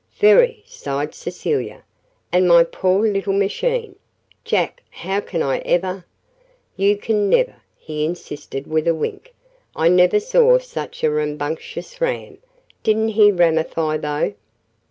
"Very," sighed Cecilia. "And my poor little machine! Jack, how can I ever " "You can never," he insisted with a wink. "I never saw such a rambunctious ram. Didn't he ramify, though?"